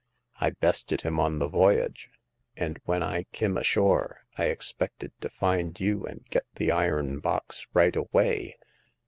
I bested him on the voyage ; and when I kim ashore I expected to find you and get the iron box right away.